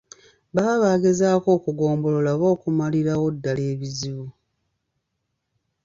Baba bagezaako okugombolola oba okumalirawo ddala ebizibu.